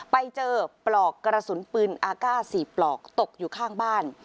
ไปเจอปลอกกระสุนปืนอากาศ๔ปลอกตกอยู่ข้างบ้าน